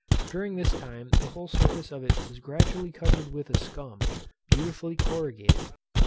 During this time the whole surface of it was gradually covered with a scum, beautifully corrugated.